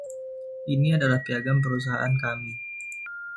Ini adalah piagam perusahaan kami.